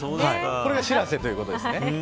これがしらせということですね。